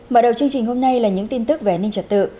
mở đầu chương trình hôm nay là những tin tức về an ninh trật tự